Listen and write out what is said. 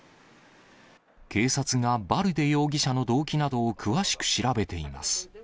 警察がバルデ容疑者の動機などを詳しく調べています。